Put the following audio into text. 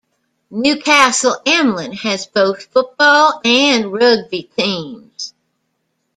Newcastle Emlyn has both football and rugby teams.